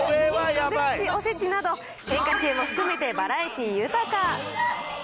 ぐらしおせちなど、変化球も含めてバラエティー豊か。